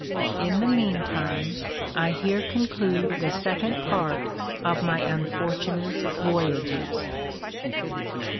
In the meantime, I here conclude the Second Part of my unfortunate Voyages.